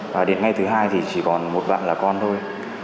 và đến ngay thứ hai thì chỉ còn một bạn là con thôi